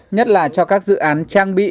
nhất là cho các dự án trang bị